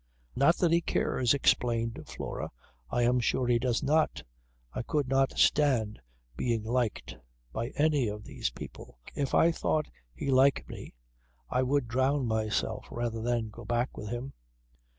"Not that he cares," explained Flora. "I am sure he does not. I could not stand being liked by any of these people. If I thought he liked me I would drown myself rather than go back with him."